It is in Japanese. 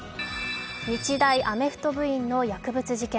日大アメフト部員の薬物事件。